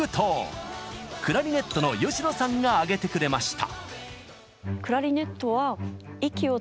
クラリネットの吉野さんが挙げてくれました。